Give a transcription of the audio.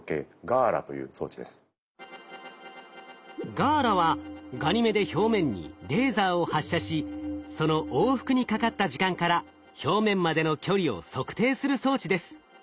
ＧＡＬＡはガニメデ表面にレーザーを発射しその往復にかかった時間から表面までの距離を測定する装置です。